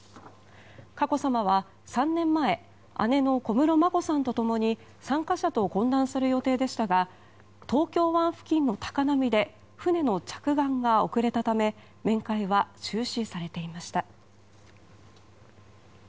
佳子さまは３年前姉の小室眞子さんと共に参加者と懇談する予定でしたが東京湾付近の高波で船の着岸が遅れたため面会は中止されていました。